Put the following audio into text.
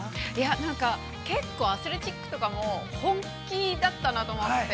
◆なんか結構アスレチックとかも本気だったなと思って。